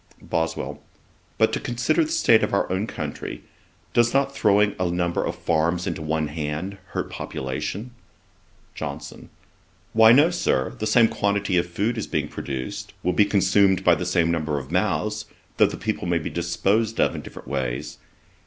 BOSWELL. 'But, to consider the state of our own country; does not throwing a number of farms into one hand hurt population?' JOHNSON. 'Why no, Sir; the same quantity of food being produced, will be consumed by the same number of mouths, though the people may be disposed of in different ways.